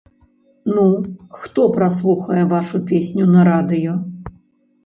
Ну, хто праслухае вашу песню на радыё?